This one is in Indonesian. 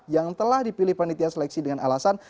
yang telah dipilih panitia seleksi dengan alasan